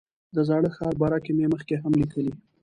د زاړه ښار باره کې مې مخکې هم لیکلي.